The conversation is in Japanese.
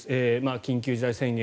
緊急事態宣言